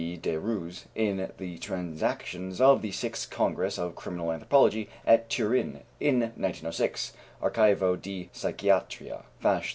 B. de Roos, in the Transactions of the sixth Congress of Criminal Anthropology, at Turin, in 1906 (Archivio di Psichiatria fasc.